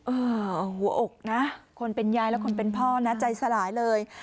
หัวอกนะคนเป็นยายและคนเป็นพ่อนะใจสลายเลย